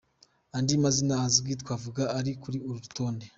Andi mazina azwi twavuga ari kuri uru rutonde.